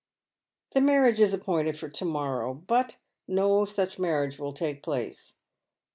" The marriage is appointed for to morrow, but no such marriage will take place."